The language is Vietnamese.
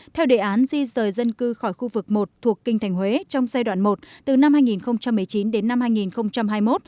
theo đề án di rời dân cư khỏi khu vực một thuộc kinh thành huế trong giai đoạn một từ năm hai nghìn một mươi chín đến năm hai nghìn hai mươi một